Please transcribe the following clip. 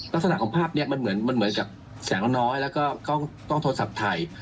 ลักษณะของภาพนี้มันเหมือนแสงน้อยแล้วก็ก็ก้องโทรศัพท์ไถ